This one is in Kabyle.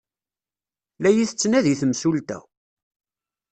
La yi-tettnadi temsulta.